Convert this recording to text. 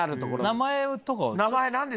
名前とかは？